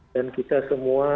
dan kita semua